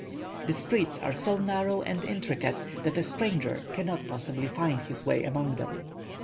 The streets are so narrow and intricate that a stranger cannot possibly find his way among them.